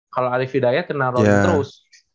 kalau arief hidayat kena roni terus